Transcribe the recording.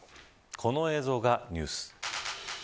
この映像がニュース。